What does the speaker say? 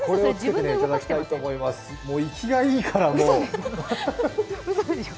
もういきがいいから、もう。